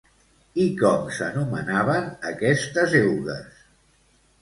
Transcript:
I com s'anomenaven aquestes eugues?